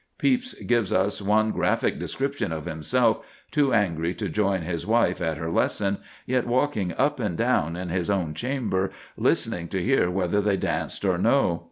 Pepys gives us one graphic description of himself, too angry to join his wife at her lesson, yet walking up and down in his own chamber, "listening to hear whether they danced or no."